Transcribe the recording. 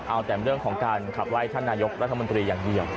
อาวุว์แต่เรื่องของการขับไว้ท่านนายกรัฐมนตรีอย่างนี้